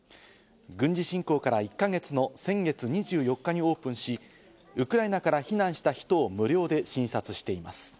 軍事侵攻から１か月の先月２４日にオープンし、ウクライナから避難した人を無料で診察しています。